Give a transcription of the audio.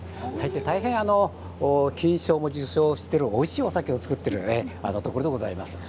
大変、金賞も受賞しているおいしいお酒を造っているところでございます。